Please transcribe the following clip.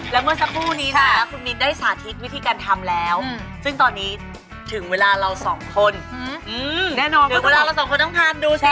แล้วซึ่งตอนนี้ถึงเวลาเราสองคนอืมแน่นอนเดี๋ยวเวลาเราสองคนต้องทานดูสิ